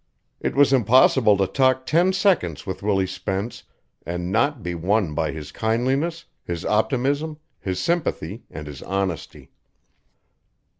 It was impossible to talk ten seconds with Willie Spence and not be won by his kindliness, his optimism, his sympathy, and his honesty.